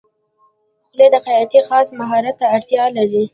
خولۍ د خیاطۍ خاص مهارت ته اړتیا لري.